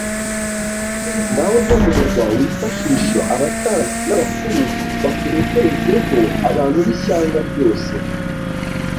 Ngaho jya mu murwa wifashishe abatambyi n'abakuru bakureherezeho abantu b'ishyanga ryose